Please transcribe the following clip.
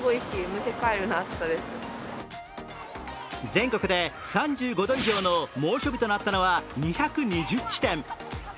全国で３５度以上の猛暑日となったのは２２０地点。